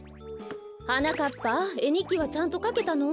はなかっぱえにっきはちゃんとかけたの？